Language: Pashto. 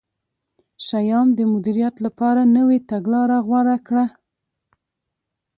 شیام د مدیریت لپاره نوې تګلاره غوره کړه.